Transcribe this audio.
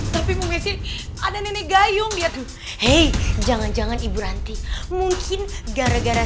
tapi mungkin ada nenek gayung dia tuh hei jangan jangan ibu ranti mungkin gara gara